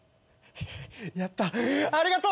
やったありがとう！